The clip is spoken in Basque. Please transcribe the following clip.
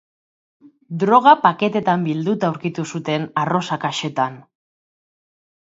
Droga paketetan bilduta aurkitu zuten arrosa kaxetan.